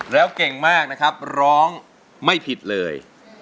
แล้วเก่งมากนะครับร้องไม่ผิดเลย